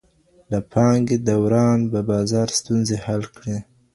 د پانګي دوران به د بازار ستونزې حل کړي.